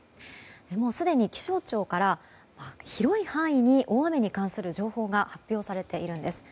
もうすでに気象庁から広い範囲に大雨に関する情報が発表されているんです。